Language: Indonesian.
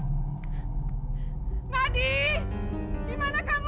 kalau saya tidak dengar aku akan memberi kesimpulannya